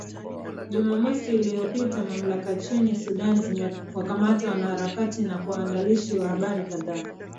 gu jumamosi iliopita mamlaka nchini sudan zimewakamata wanaharakati na waandishi wa habari kadhaa